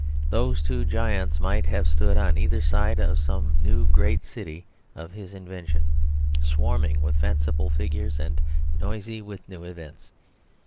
Those two giants might have stood on either side of some new great city of his invention, swarming with fanciful figures and noisy with new events.